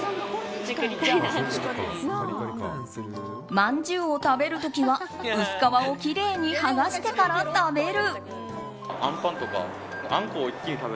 まんじゅうを食べる時は薄皮をきれいに剥がしてから食べる。